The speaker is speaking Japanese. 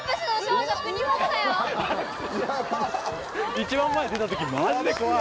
一番前出た時マジで怖い。